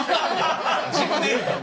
自分で言うたよ。